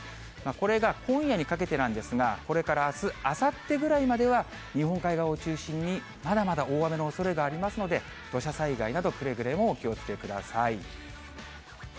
これが今夜にかけてなんですが、これからあす、あさってぐらいまでは、日本海側を中心にまだまだ大雨のおそれがありますので、土砂災害などくれぐれもお気をつけください。